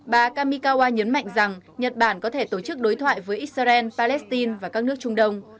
bà kamikawa nhấn mạnh rằng nhật bản có thể tổ chức đối thoại với israel palestine và các nước trung đông